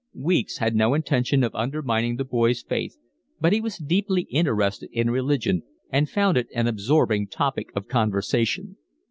Weeks had no intention of undermining the boy's faith, but he was deeply interested in religion, and found it an absorbing topic of conversation.